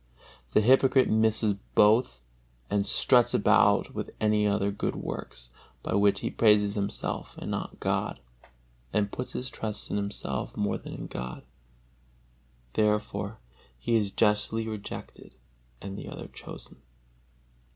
The hypocrite misses both and struts about with other good works by which he praises himself and not God, and puts his trust in himself more than in God. Therefore he is justly rejected and the other chosen.